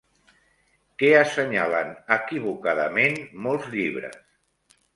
Què assenyalen equivocadament molts llibres?